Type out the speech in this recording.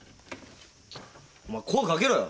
お前声掛けろよ。